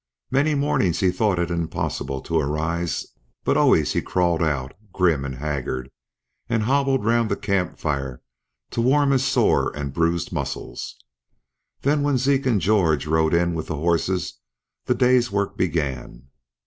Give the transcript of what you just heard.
Many mornings he thought it impossible to arise, but always he crawled out, grim and haggard, and hobbled round the camp fire to warm his sore and bruised muscles. Then when Zeke and George rode in with the horses the day's work began.